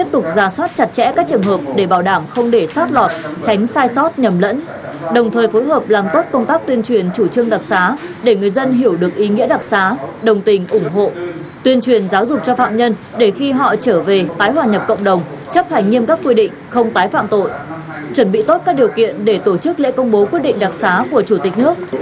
nghiêm cấp quy định không tái phạm tội chuẩn bị tốt các điều kiện để tổ chức lễ công bố quyết định đặc sá của chủ tịch nước